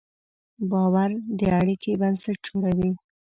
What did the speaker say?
باور د اړیکې بنسټ جوړوي.